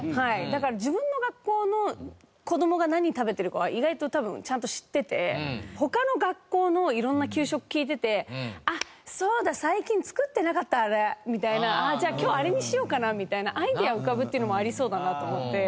だから自分の学校の子どもが何食べてるかは意外と多分ちゃんと知ってて他の学校の色んな給食聞いてて「あっそうだ最近作ってなかったあれ」みたいな「じゃあ今日あれにしようかな」みたいなアイデア浮かぶっていうのもありそうだなと思って。